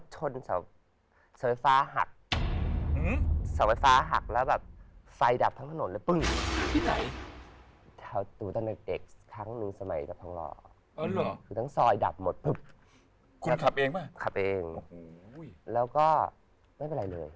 เช่นนี่